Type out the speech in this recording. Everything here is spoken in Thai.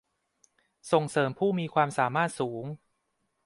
ส่งเสริมผู้มีความสามารถสูง